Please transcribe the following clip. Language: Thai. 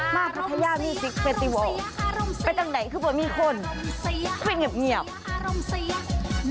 มาพัทยามิวสิคเฟสติวัลไปตรงไหนคือบ่มีคนเป็นเหงียบเหงียบ